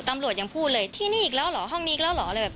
ตำรวจยังพูดเลยที่นี่อีกแล้วเหรอห้องนี้อีกแล้วเหรออะไรแบบ